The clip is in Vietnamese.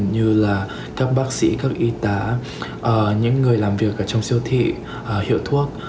như là các bác sĩ các y tá những người làm việc ở trong siêu thị hiệu thuốc